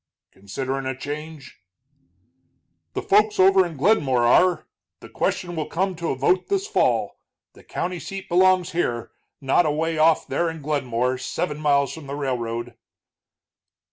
"Considerin' a change?" "The folks over in Glenmore are the question will come to a vote this fall. The county seat belongs here, not away off there at Glenmore, seven miles from the railroad."